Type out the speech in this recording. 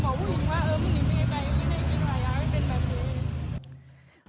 ไม่ได้กินหลายอย่างไม่เป็นแบบนี้